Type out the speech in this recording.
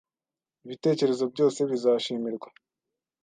Ibitekerezo byose bizashimirwa